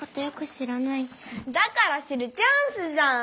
だから知るチャンスじゃん！